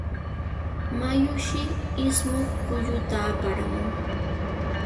Mayushi ismush kulluta aparamun.